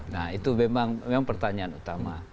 nah itu memang pertanyaan utama